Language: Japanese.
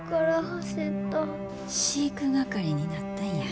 飼育係になったんや。